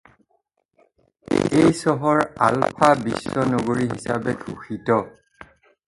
এই চহৰ আলফা বিশ্ব নগৰী হিচাপে ঘোষিত।